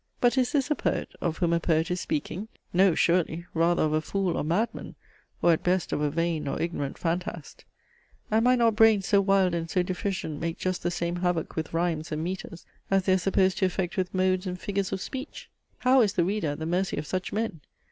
But is this a poet, of whom a poet is speaking? No surely! rather of a fool or madman: or at best of a vain or ignorant phantast! And might not brains so wild and so deficient make just the same havoc with rhymes and metres, as they are supposed to effect with modes and figures of speech? How is the reader at the mercy of such men?